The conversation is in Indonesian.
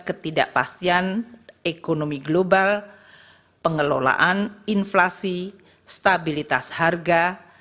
ketidakpastian ekonomi global pengelolaan inflasi stabilitas harga